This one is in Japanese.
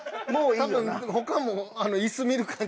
多分他も椅子見る感じ